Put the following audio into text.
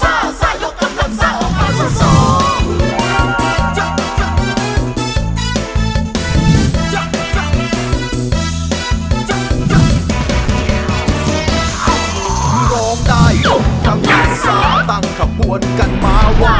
หลองได้ยกกำลังทราตั้งขบทวนกันมาวาก